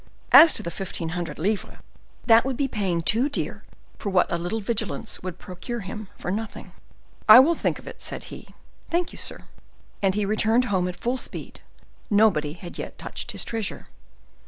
As to the fifteen hundred livres—that would be paying too dear for what a little vigilance would procure him for nothing. "I will think of it," said he; "thank you, sir." And he returned home at full speed; nobody had yet touched his treasure.